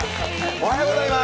おはようございます。